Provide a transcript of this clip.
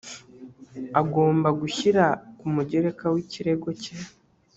agomba gushyira ku mugereka w ikirego cye